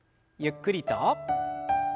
ゆっくりと。